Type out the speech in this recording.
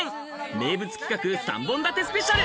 名物企画３本立てスペシャル。